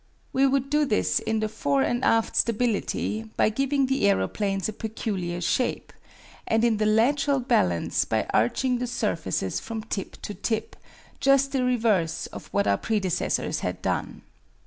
We would do this in the fore and aft stability by giving the aeroplanes a peculiar shape; and in the lateral balance by arching the surfaces from tip to tip, just the reverse of what our predecessors had done.